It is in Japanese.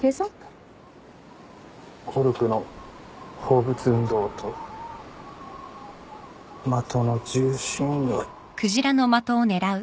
コルクの放物運動と的の重心が。